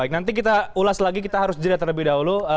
baik nanti kita ulas lagi kita harus jeda terlebih dahulu